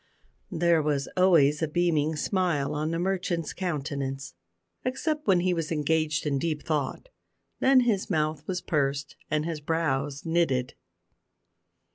There was always a beaming smile on the merchant's countenance, except when he was engaged in deep thought; then his mouth was pursed and his brows knitted.